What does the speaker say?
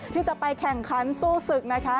ที่จะไปแข่งขันสู้ศึกนะคะ